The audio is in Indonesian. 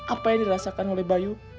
apa yang dirasakan oleh bayu